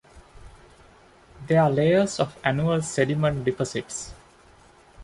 They are layers of annual sediment deposits.